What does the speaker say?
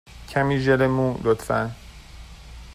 کمی ژل مو، لطفا.